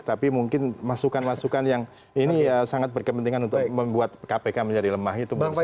tapi mungkin masukan masukan yang ini ya sangat berkepentingan untuk membuat kpk menjadi lemah